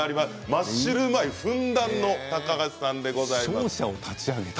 マッシュルーム愛ふんだんの高橋さんです。